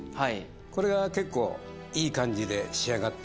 これが結構いい感じで仕上がってるかなと。